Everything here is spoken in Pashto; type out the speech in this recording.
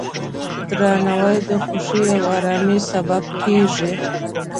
درناوی د خوښۍ او ارامۍ سبب کېږي.